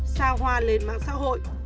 xa hoa lên mạng xã hội